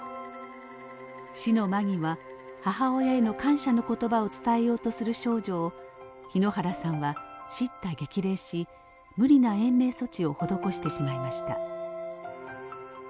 死の間際母親への感謝の言葉を伝えようとする少女を日野原さんは叱咤激励し無理な延命措置を施してしまいました。